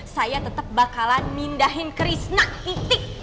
saya bakalan nindahin kerisna titik